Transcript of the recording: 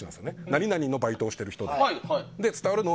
何々のバイトをしてる人。